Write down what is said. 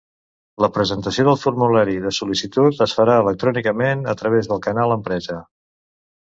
La presentació del formulari de sol·licitud es farà electrònicament a través del Canal Empresa.